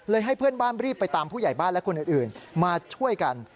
ให้เพื่อนบ้านรีบไปตามผู้ใหญ่บ้านและคนอื่นมาช่วยกัน